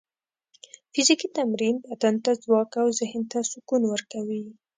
فزیکي تمرین بدن ته ځواک او ذهن ته سکون ورکوي.